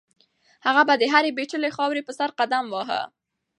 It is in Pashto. هغه به د هرې بیلچې خاورې په سر قدم واهه.